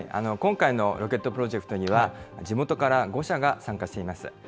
今回のロケットプロジェクトには、地元から５社が参加しています。